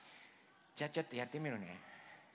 じゃあちょっとやってみるね。